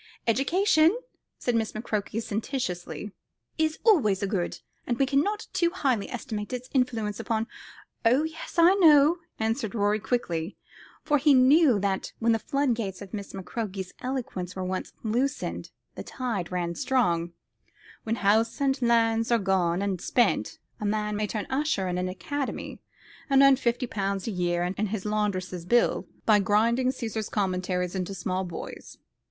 "Education," said Miss McCroke sententiously, "is always a good, and we cannot too highly estimate its influence upon " "Oh yes, I know," answered Rorie quickly, for he knew that when the floodgates of Miss McCroke's eloquence were once loosened the tide ran strong, "when house and lands are gone and spent a man may turn usher in an academy, and earn fifty pounds a year and his laundress's bill by grinding Caesar's Commentaries into small boys.